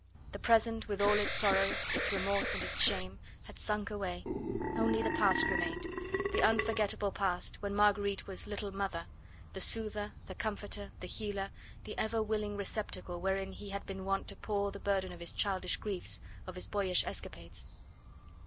The present, with all its sorrows, its remorse and its shame, had sunk away; only the past remained the unforgettable past, when Marguerite was "little mother" the soother, the comforter, the healer, the ever willing receptacle wherein he had been wont to pour the burden of his childish griefs, of his boyish escapades.